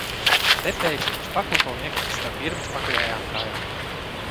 Te pēkšņi viņš paklupa un iekrita starp Irmas pakaļējām kājām.